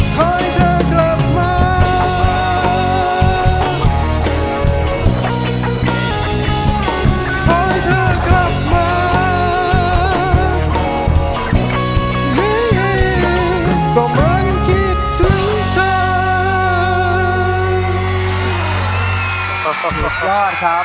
เธอกลับมา